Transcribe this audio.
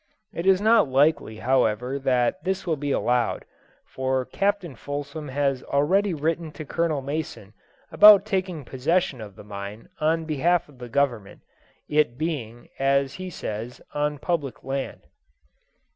It is not likely, however, that this will be allowed, for Captain Fulsom has already written to Colonel Mason about taking possession of the mine on behalf of the Government, it being, as he says, on public land.